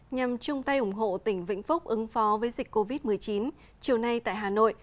nhằm chung tay ủng hộ tỉnh vĩnh phúc ứng phó với dịch covid một mươi chín chiều nay tại hà nội